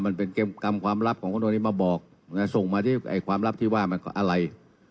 มันเป็นกรรมความลับของคนตรงนี้มาบอกส่งมาที่ความลับที่ว่ามันก็อะไร